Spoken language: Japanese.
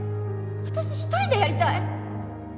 私一人でやりたい。